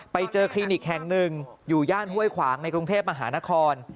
ไปเจอคลินิกแห่งหนึ่งอยู่ย่านห้วยขวางในกรุงเทพมหานคร